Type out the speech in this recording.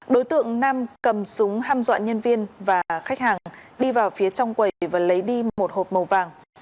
đối tượng nam cầm súng ham dọn nhân viên và khách hàng đi vào phía trong quầy và lấy đi một hộp màu vàng